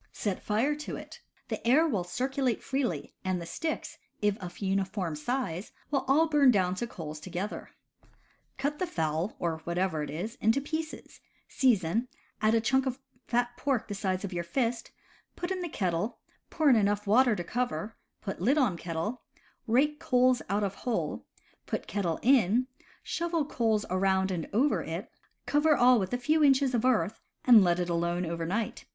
Set fire to it. The air will circulate freely, and the sticks, if of uniform size, will all burn down to coals together. Cut the fowl, or whatever it is, in pieces, season, add a chunk of fat pork the size of your fist, put in the kettle, pour in enough water to cover, put lid on kettle, rake coals out of hole, put kettle in, shovel coals around and over it, cover all with a few inches of earth, and let it alone over night.